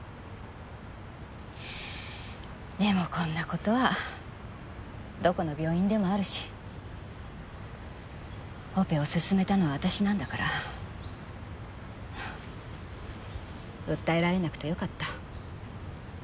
でもこんな事はどこの病院でもあるしオペをすすめたのは私なんだから。訴えられなくてよかった。